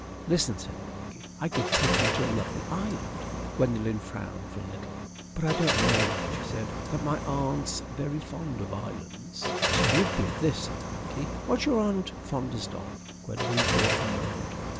"Listen," said the monkey. "I could take you to a lovely island." Gwendolen frowned a little. "But I don't know," she said, "that my aunt's very fond of islands." "She would be of this," said the monkey. "What's your aunt fondest of?" Gwendolen thought for a moment.